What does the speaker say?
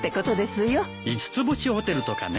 五つ星ホテルとかね。